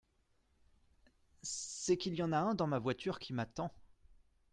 C'est qu'il y en a un dans ma voiture qui m'attend.